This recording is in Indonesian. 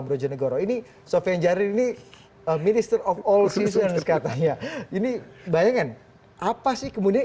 projenegoro ini sofyan jalil ini a minister of all season katanya ini bayangan apa sih kemudian